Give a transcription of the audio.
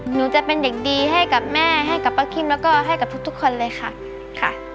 หนูจะเป็นเด็กดีให้กับแม่ให้กับป้าคิมแล้วก็ให้กับทุกคนเลยค่ะค่ะ